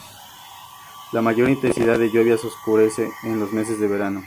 La mayor intensidad de lluvias ocurre en los meses de verano.